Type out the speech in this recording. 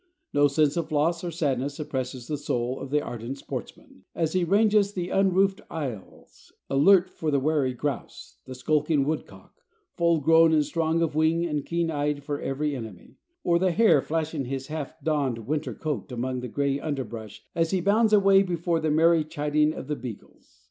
No sense of loss or sadness oppresses the soul of the ardent sportsman as he ranges the unroofed aisles alert for the wary grouse, the skulking woodcock, full grown and strong of wing and keen eyed for every enemy, or the hare flashing his half donned winter coat among the gray underbrush as he bounds away before the merry chiding of the beagles.